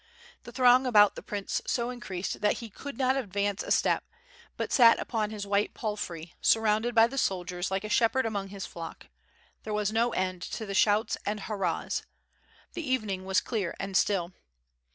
The throng about the prince so increased that he could not advance a step; but sat upon his white palfrey sur rounded by the soldiers like a shepherd among his flock. There was no end to the shouts and hurrahs. The evening was clear and still.